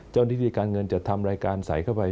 เจ้าหน้าที่การเงินจะทำรายการใส่เข้าไป